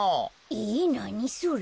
えなにそれ？